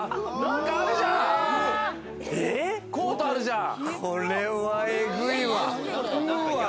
コートあるじゃん。